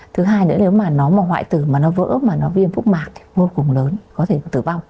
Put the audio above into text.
thứ hai nữa là nếu mà nó hoại tử nó vỡ nó viêm phúc mạc thì vô cùng lớn có thể tử vong